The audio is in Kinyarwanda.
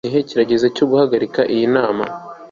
ntekereza ko igihe kirageze cyo guhagarika iyi nama